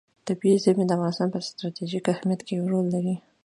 طبیعي زیرمې د افغانستان په ستراتیژیک اهمیت کې رول لري.